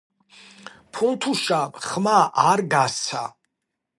ფუნთუშამ ხმა არ გასცა